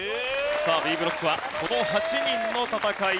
さあＢブロックはこの８人の戦いです。